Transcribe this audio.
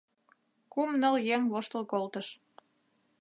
Кум-ныл еҥ воштыл колтыш.